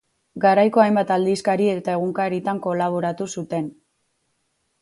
Garaiko hainbat aldizkari eta egunkaritan kolaboratu zuen.